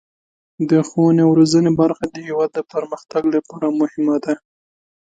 د ښوونې او روزنې برخه د هیواد د پرمختګ لپاره مهمه ده.